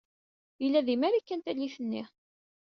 Yella di Marikan tallit-nni.